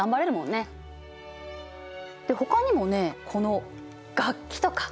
でほかにもねこの楽器とか。